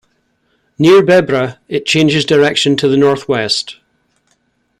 Near Bebra it changes direction to the northwest.